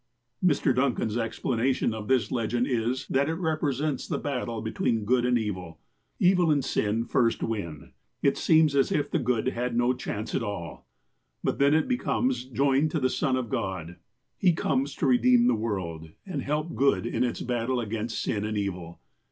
'' Mr. Duncan's explanation of this legend is, that it represents the battle between good and evil. Evil and sin first win. It seems as if the good had no chance at all. But then it becomes joined to the Son of God. He comes to redeem the world, and help good in its battle against sin and evil.